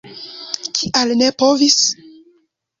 Kial ne povis?